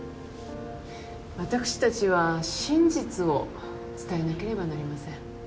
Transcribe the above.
私たちは真実を伝えなければなりません。